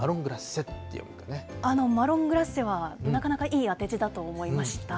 マロングラッセは、なかなかいい当て字だと思いました。